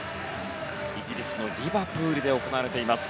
イギリスのリバプールで行われています。